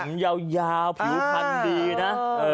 ผมยาวผิวพันธุ์ดีนะ